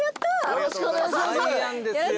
よろしくお願いします。